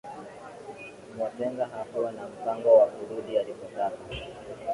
mwatenga hakuwa na mpango wa kurudi alipotoka